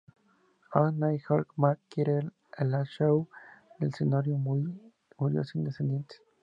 Aj Ne' Ohl Mat, quien era el ahau del señorío, murió sin descendientes.